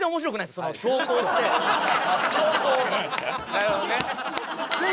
なるほどね。